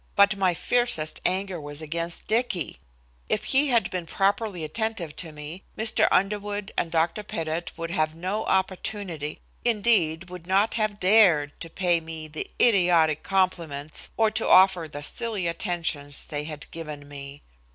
But my fiercest anger was against Dicky. If he had been properly attentive to me, Mr. Underwood and Dr. Pettit would have had no opportunity, indeed would not have dared, to pay me the idiotic compliments, or to offer the silly attentions they had given me.